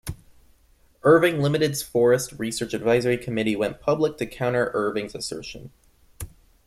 Irving Limited's forest research advisory committee went public to counter Irving's assertion.